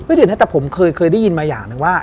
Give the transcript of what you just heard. เมื่อเดี๋ยวนะแต่ผมเคยได้ยินมาอย่างหนึ่งว่า